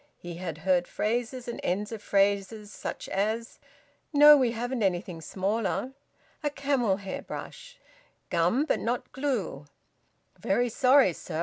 He had heard phrases and ends of phrases, such as: "No, we haven't anything smaller," "A camel hair brush," "Gum but not glue," "Very sorry, sir.